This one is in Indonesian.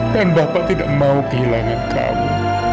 dan bapak tidak mau kehilangan kamu